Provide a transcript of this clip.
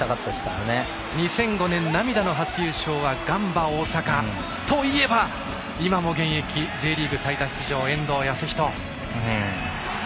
２００５年、涙の初優勝はガンバ大阪。といえば、今も現役Ｊリーグ最多出場、遠藤保仁。